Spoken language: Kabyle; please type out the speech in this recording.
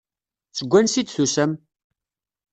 Seg wansi i d-tusam?